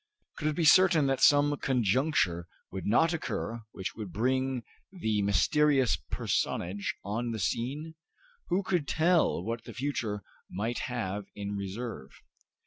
Could he be certain that some conjuncture would not occur which would bring the mysterious personage on the scene? who could tell what the future might have in reserve?